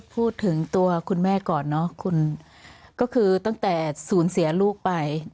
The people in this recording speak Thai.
พูดถึงตัวคุณแม่ก่อนเนอะคุณก็คือตั้งแต่ศูนย์เสียลูกไป